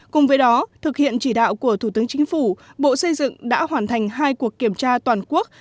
cùng với đó thực hiện chỉ đạo của thủ tướng chính phủ bộ xây dựng đã hoàn thành hai cuộc kiểm tra toàn quốc